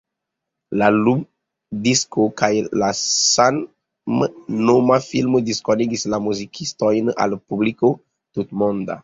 La lumdisko kaj la samnoma filmo diskonigis la muzikistojn al publiko tutmonda.